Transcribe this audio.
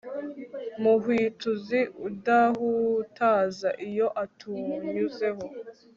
muhwituzi udahutaza iyo atunyuzeho